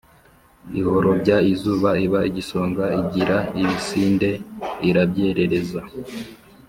Ihorobya izuru iba igisongo Igira ibisinde irabyerereza